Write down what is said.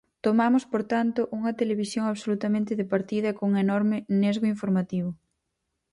Tomamos, por tanto, unha televisión absolutamente de partido e cun enorme nesgo informativo.